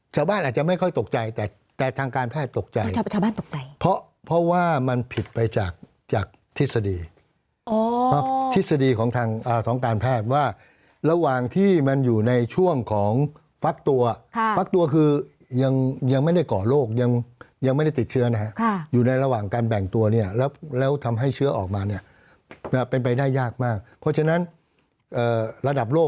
ชาวบ้านอาจจะไม่ค่อยตกใจแต่ทางการแพทย์ตกใจชาวบ้านตกใจเพราะว่ามันผิดไปจากทฤษฎีทฤษฎีของทางท้องการแพทย์ว่าระหว่างที่มันอยู่ในช่วงของฟักตัวฟักตัวคือยังไม่ได้ก่อโรคยังไม่ได้ติดเชื้อนะฮะอยู่ในระหว่างการแบ่งตัวเนี่ยแล้วทำให้เชื้อออกมาเนี่ยเป็นไปได้ยากมากเพราะฉะนั้นระดับโลก